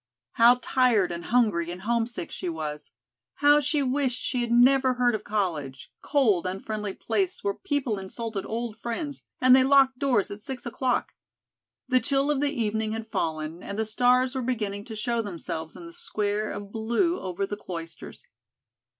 How tired and hungry and homesick she was! How she wished she had never heard of college, cold, unfriendly place where people insulted old friends and they locked doors at six o'clock. The chill of the evening had fallen and the stars were beginning to show themselves in the square of blue over the Cloisters.